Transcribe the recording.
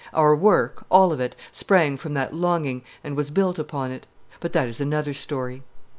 Our work, all of it, sprang from that longing and was built upon it. But that is another story.